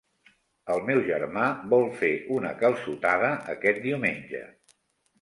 El meu germà vol fer una calçotada aquest diumenge.